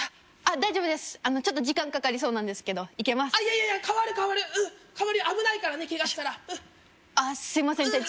あ大丈夫ですちょっと時間かかりそうなんですけどいけますあいやいや代わる代わるうん代わるよ危ないからねケガしたらああすいません